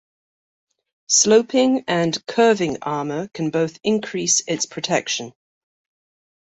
Sloping and curving armour can both increase its protection.